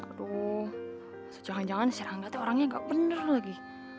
aduh jangan jangan si ranggatnya orangnya gak bener lagi